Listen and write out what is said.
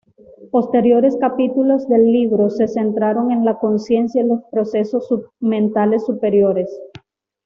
Posteriores capítulos del libro se centraron en la conciencia y los procesos mentales superiores.